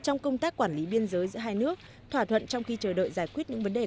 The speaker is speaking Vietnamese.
trong công tác quản lý biên giới giữa hai nước thỏa thuận trong khi chờ đợi giải quyết những vấn đề